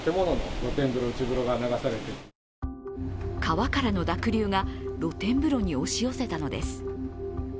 川からの濁流が露天風呂に押し寄せたのです。